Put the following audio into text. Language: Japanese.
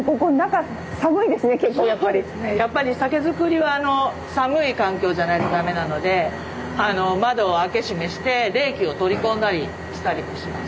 やっぱり酒造りは寒い環境じゃないと駄目なので窓を開け閉めして冷気を取り込んだりしたりもします。